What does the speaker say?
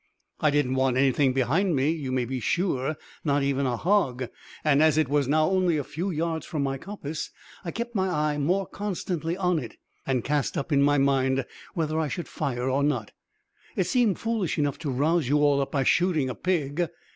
I didn't want anything behind me, you may be sure, not even a hog, and as it was now only a few yards from my coppice I kept my eye more constantly on it, and cast up in my mind whether I should fire or not. "It seemed foolish enough to rouse you all up by shooting a pig!